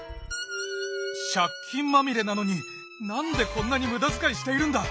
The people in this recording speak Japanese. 借金まみれなのに何でこんなに無駄遣いしているんだ。